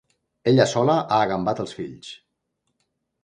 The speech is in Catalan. Ella sola ha agambat els fills.